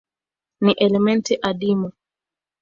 Ni elementi adimu.